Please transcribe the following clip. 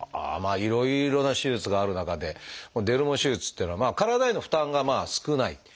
いろいろな手術がある中でデルモ手術っていうのは体への負担が少ない。